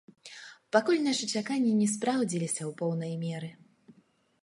Пакуль нашы чаканні не спраўдзіліся ў поўнай меры.